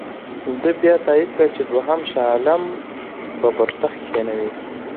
ده بیا تایید کړه چې دوهم شاه عالم به پر تخت کښېنوي.